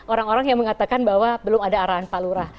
orang orang yang mengatakan bahwa belum ada arahan pak lurah